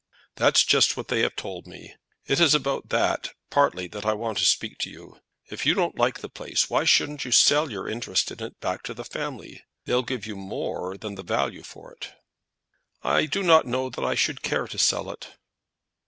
"That's just what they have told me. It is about that partly that I want to speak to you. If you don't like the place, why shouldn't you sell your interest in it back to the family? They'd give you more than the value for it." "I do not know that I should care to sell it."